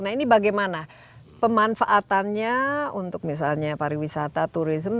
nah ini bagaimana pemanfaatannya untuk misalnya pariwisata turisme